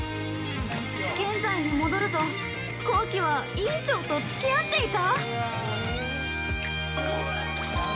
◆現在に戻ると光輝は委員長とつき合っていた！？